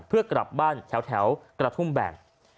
เพื่อกลับบ้านแถวกระทุ่มแบน